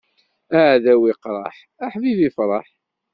Aɛdaw iqṛeḥ, aḥbib ifṛeḥ.